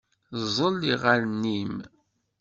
Ẓẓel iɣallen-im.